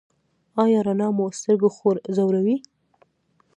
ایا رڼا مو سترګې ځوروي؟